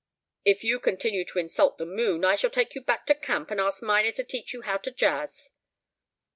"If you continue to insult the moon, I shall take you back to camp and ask Minor to teach you how to jazz."